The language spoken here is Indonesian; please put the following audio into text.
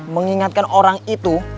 mengingatkan orang itu